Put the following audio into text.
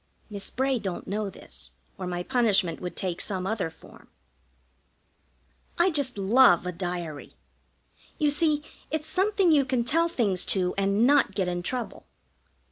Miss Bray don't know this, or my punishment would take some other form. I just love a diary. You see, its something you can tell things to and not get in trouble.